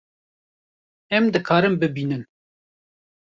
Em dikarin bibînin